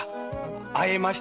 会えましたか？